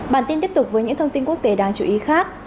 bản tin tiếp tục với những thông tin quốc tế đáng chú ý khác